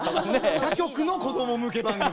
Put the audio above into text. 他局の子ども向け番組。